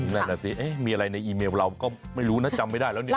นั่นน่ะสิมีอะไรในอีเมลเราก็ไม่รู้นะจำไม่ได้แล้วเนี่ย